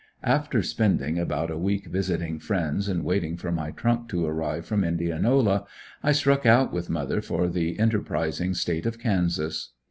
After spending about a week, visiting friends and waiting for my trunk to arrive from Indianola, I struck out with mother for the enterprising State of Kansas.